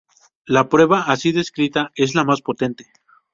La prueba así descrita es la más potente.